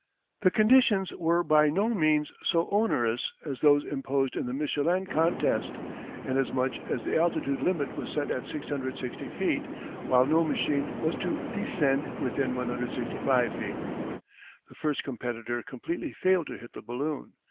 The conditions were by no means so onerous as those imposed in the Michelin contest, inasmuch as the altitude limit was set at 660 feet, while no machine was to descend within 165 feet. The first competitor completely failed to hit the balloon.